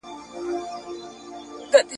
معاون کمشنر وو.